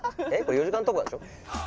４時間特番でしょ？